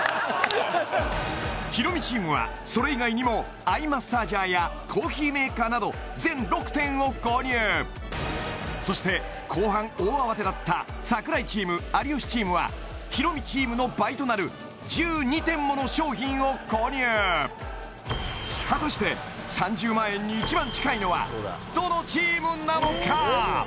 ヒロミチームはそれ以外にもアイマッサージャーやコーヒーメーカーなど全６点を購入そして後半大慌てだった櫻井チーム有吉チームはヒロミチームの倍となる１２点もの商品を購入果たして３０万円に一番近いのはどのチームなのか？